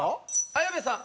綾部さん